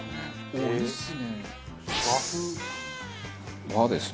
おいしい！